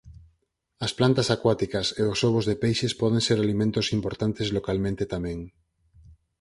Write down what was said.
As plantas acuáticas e os ovos de peixes poden ser alimentos importantes localmente tamén.